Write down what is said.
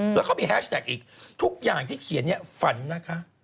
แล้วเขามีแฮชแท็กอีกทุกอย่างที่เขียนเนี่ยฝันนะคะ